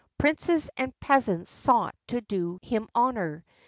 Princes and peasants sought to do him honor.